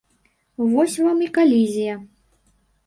Вось вам і калізія.